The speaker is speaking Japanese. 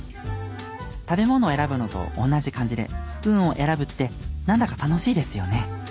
食べ物を選ぶのと同じ感じでスプーンを選ぶってなんだか楽しいですよね。